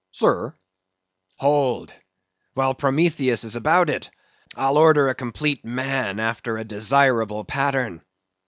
Sir? Hold; while Prometheus is about it, I'll order a complete man after a desirable pattern.